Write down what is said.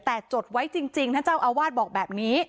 แต่จดไว้จริงท่านเจ้าอาวาสบอกแบบนี้